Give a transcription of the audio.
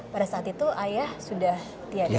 pada saat itu ayah sudah tiada